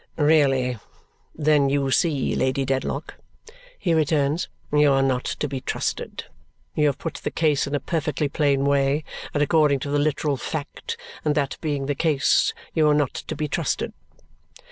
"Really? Then you see, Lady Dedlock," he returns, "you are not to be trusted. You have put the case in a perfectly plain way, and according to the literal fact; and that being the case, you are not to be trusted."